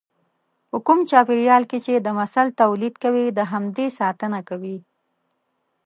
په کوم چاپېريال کې چې د مثل توليد کوي د همدې ساتنه کوي.